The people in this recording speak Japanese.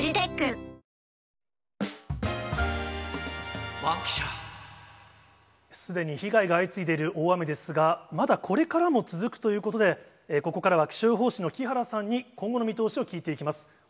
７０代の男性が運転する車が川に転落しているのが見つかり、すでに被害が相次いでいる大雨ですが、まだこれからも続くということで、ここからは気象予報士の木原さんに今後の見通しを聞いていきます。